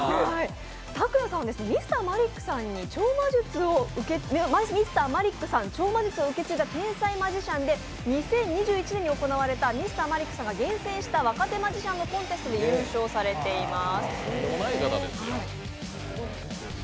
ＴＡＫＵＹＡさんはＭｒ．マリックさんの超魔術を受け継いだ天才マジシャンで、２０２１年に行われたＭｒ．マリックさんが厳選した若手マジシャンのコンテストで優勝さています。